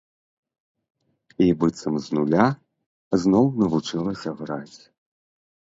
І быццам з нуля зноў навучылася граць.